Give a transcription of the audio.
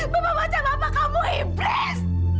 bapak baca bapak kamu ibles